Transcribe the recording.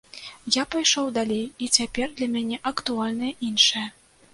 Я пайшоў далей і цяпер для мяне актуальнае іншае.